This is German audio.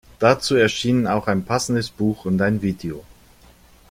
Dazu erschienen auch ein passendes Buch und ein Video.